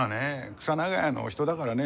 クサ長屋のお人だからね